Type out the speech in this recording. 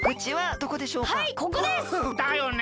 だよね。